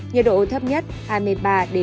nhiệt độ thấp nhất hai mươi ba hai mươi sáu độ